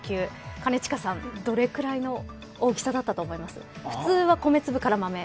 兼近さん、どれくらいの大きさだったと思います。